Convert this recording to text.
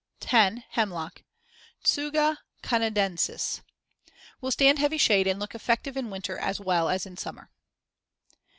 10. Hemlock (Tsuga canadensis) Will stand heavy shade and look effective in winter as well as in summer.